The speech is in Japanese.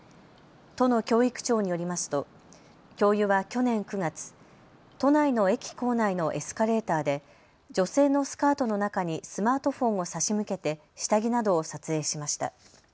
都の教育庁によりますと教諭は去年９月、都内の駅構内のエスカレーターで女性のスカートの中にスマートフォンを差し向けて下着などを撮影しました。